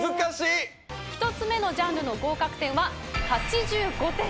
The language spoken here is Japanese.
１つ目のジャンルの合格点は８５点です。